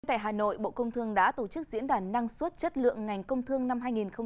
tại hà nội bộ công thương đã tổ chức diễn đàn năng suất chất lượng ngành công thương năm hai nghìn hai mươi